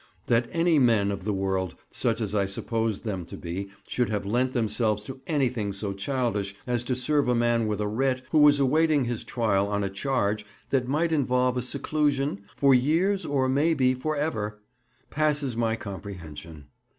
That any men of the world, such as I supposed them to be, should have lent themselves to anything so childish as to serve a man with a "writ" who was awaiting his trial on a charge that might involve a seclusion "for years or may be for ever" passes my comprehension.